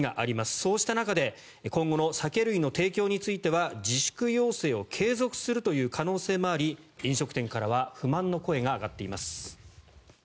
そうした中で今後の酒類の提供については自粛要請を継続するという可能性もあり飲食店からは不満の声が上がっています。